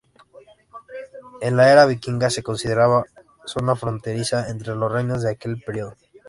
En la Era vikinga se consideraba zona fronteriza entre los reinos de aquel periodo.